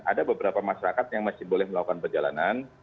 ada beberapa masyarakat yang masih boleh melakukan perjalanan